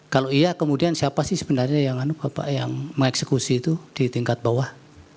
kalau iya kemudian siapa sih sebenarnya yang mengeksekusi itu di tingkat bawah